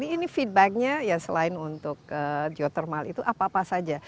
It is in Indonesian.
ini feedbacknya ya selain untuk geotermal itu apa apa saja